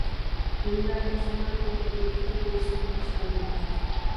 مۇنبەرداشلارنىڭ تەنقىدىي پىكىر بېرىشىنى قارشى ئالىمەن.